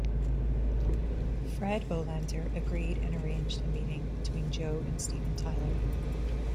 Fred Bohlander agreed and arranged a meeting between Joe and Steven Tyler.